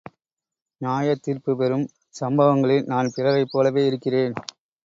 நியாயத் தீர்ப்பு பெறும் சம்பவங்களில் நான் பிறரைப் போலவே இருக்கிறேன்.